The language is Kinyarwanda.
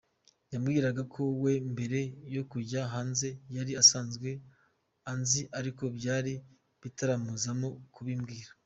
Yambwiraga ko we mbere yo kujya hanze yari asanzwe anzi ariko byari bitaramuzamo kubimbwira.